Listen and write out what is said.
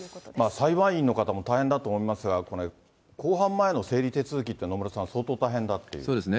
裁判員の方も大変だと思いますが、これ、公判前の整理手続きって野村さん、そうですね。